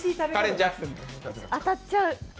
当たっちゃう。